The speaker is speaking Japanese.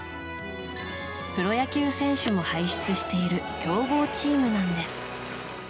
プロ野球選手も輩出している強豪チームなんです。